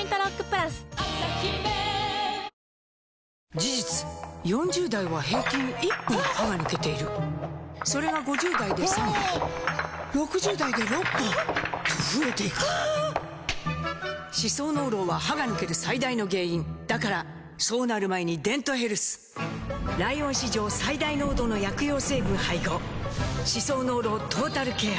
事実４０代は平均１本歯が抜けているそれが５０代で３本６０代で６本と増えていく歯槽膿漏は歯が抜ける最大の原因だからそうなる前に「デントヘルス」ライオン史上最大濃度の薬用成分配合歯槽膿漏トータルケア！